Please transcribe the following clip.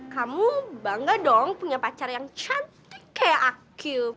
kamu bangga dong punya pacar yang cantik kayak aku